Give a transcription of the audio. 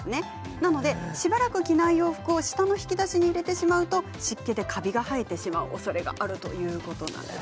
なので、しばらく着ない洋服を下の引き出しに入れてしまうと湿気でカビが生えてしまうおそれがあるということなんです。